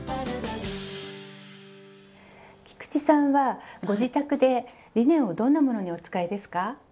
菊池さんはご自宅でリネンをどんなものにお使いですか？